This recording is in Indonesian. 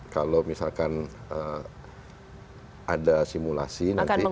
kalau misalkan ada simulasi